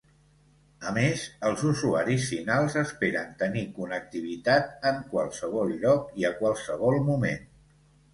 A més, els usuaris finals esperen tenir connectivitat en qualsevol lloc i a qualsevol moment.